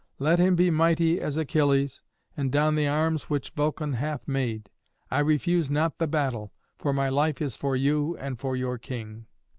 Let him be mighty as Achilles, and don the arms which Vulcan hath made. I refuse not the battle, for my life is for you and for your king."